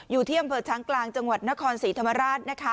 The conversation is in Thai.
อยู่เที่ยมเผลอทางกลางจังหวัดนครศรีธรรมราช